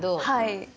はい。